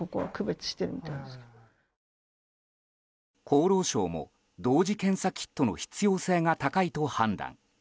厚労省も同時検査キットの必要性が高いと判断。